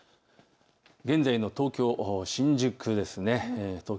現在の東京新宿です。